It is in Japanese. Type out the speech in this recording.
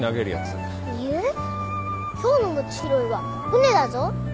今日の餅拾いは船だぞ。